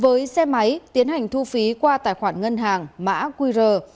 với xe máy tiến hành thu phí qua tài khoản ngân hàng mã qr